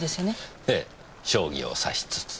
ええ将棋を指しつつ。